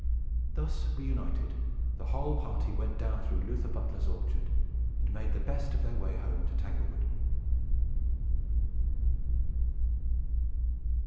Thus reunited, the whole party went down through Luther Butler's orchard, and made the best of their way home to Tanglewood.